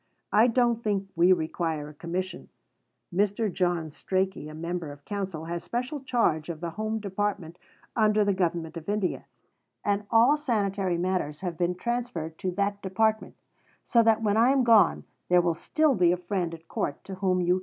I don't think we require a commission. Mr. John Strachey, a member of Council, has special charge of the Home Department under the Government of India, and all sanitary matters have been transferred to that department, so that when I am gone there will still be a friend at court to whom you can refer.